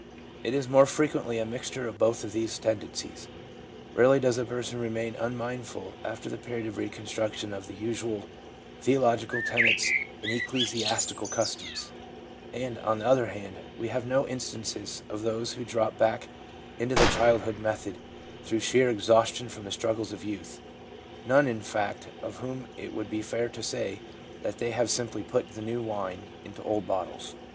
It is more frequently a mixture of both of these tendencies. Rarely does a person remain un mindful after the period of reconstruction of the usual theological tenets and ecclesiastical customs ; and, on the other hand, we have no instances of those who drop back into the childhood method through sheer ex haustion from the struggles of youth— none, in fact, of whom it would be fair to say that they have simply put the new wine into old bottles.